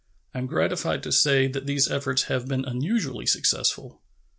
I am gratified to say that these efforts have been unusually successful.